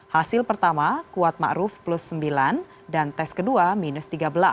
hasil pertama kuat ma'ruf plus sembilan dan tes kedua minus tiga belas